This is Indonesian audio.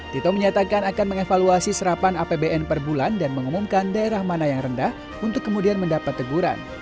tito menyatakan akan mengevaluasi serapan apbn per bulan dan mengumumkan daerah mana yang rendah untuk kemudian mendapat teguran